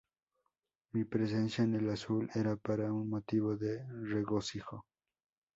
Mi presencia en el Azul era para un motivo de regocijo.